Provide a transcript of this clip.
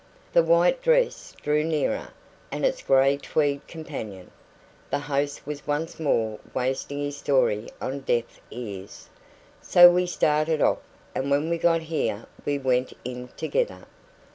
The white dress drew nearer, and its grey tweed companion. The host was once more wasting his story on deaf ears. "So we started off; and when we got here we went in together.